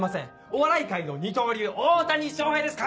お笑い界の二刀流大谷翔平です